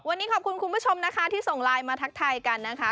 วันนี้ขอบคุณคุณผู้ชมนะคะที่ส่งไลน์มาทักทายกันนะคะ